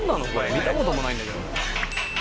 見たこともないんだけど。